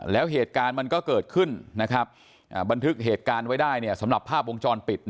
แล้วเหตุการณ์มันก็เกิดขึ้นบันทึกเหตุการณ์ไว้ได้สำหรับภาพวงจรปิด